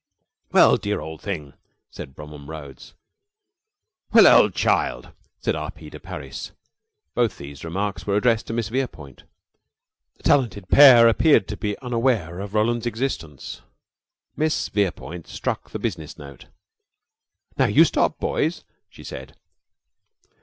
"Well, dear old thing!" said Bromham Rhodes. "Well, old child!" said R. P. de Parys. Both these remarks were addressed to Miss Verepoint. The talented pair appeared to be unaware of Roland's existence. Miss Verepoint struck the business note. "Now you stop, boys," she said.